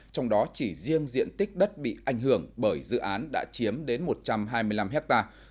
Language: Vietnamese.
trong đó chỉ riêng diện tích đất bị ảnh hưởng bởi dự án đã chiếm đến một trăm hai mươi năm hectare